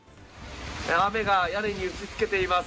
雨が屋根に打ち付けています。